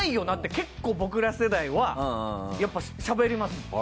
結構僕ら世代はしゃべります。